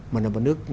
mà là một nước